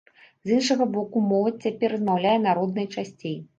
З іншага боку, моладзь цяпер размаўляе на роднай часцей.